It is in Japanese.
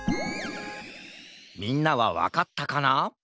みんなはわかったかな？